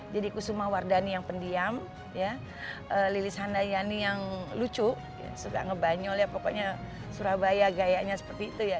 jadi kusuma wardani yang pendiam lilis handayani yang lucu suka ngebanyol ya pokoknya surabaya gayanya seperti itu ya